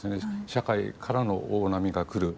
社会からの大波が来る。